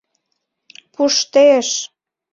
— Пуштеш!..